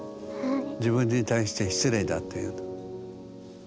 自分に対して失礼だっていうの。